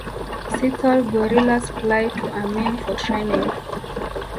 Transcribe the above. Sithole Guerrillas Fly to Amin for Training